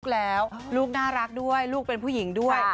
ลูกแล้วลูกน่ารักด้วยลูกเป็นผู้หญิงด้วย